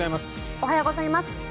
おはようございます。